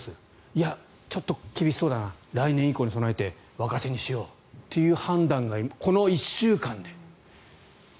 いや、ちょっと厳しそうだな来年以降に備えて若手にしようという判断がこの１週間で。